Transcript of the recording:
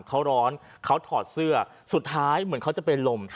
เขาร้อนเขาถอดเสื้อสุดท้ายเหมือนเขาจะเป็นลม